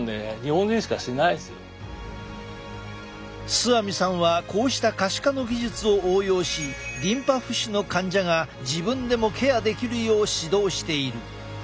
須網さんはこうした可視化の技術を応用しリンパ浮腫の患者が自分でもケアできるよう指導している。